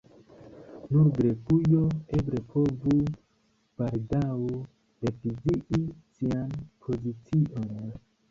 Nur Grekujo eble povus baldaŭ revizii sian pozicion.